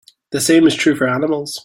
The same is true for animals.